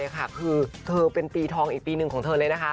คือเธอเป็นปีทองอีกปีหนึ่งของเธอเลยนะคะ